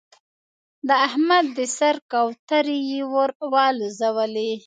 د احمد د سر کوترې يې ور والوزولې.